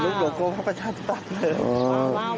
สรุปโดโกพระพระชาติสรรค์